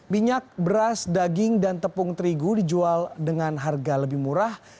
minyak beras daging dan tepung terigu dijual dengan harga lebih murah